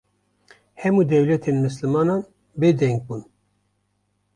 hemu dewletên mislimanan bê deng bûn